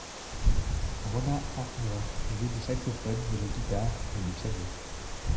Rona Hartner joue du saxophone, de la guitare et du piano.